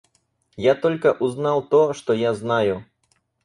Я только узнал то, что я знаю.